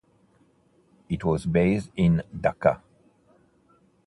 It was based in Dhaka.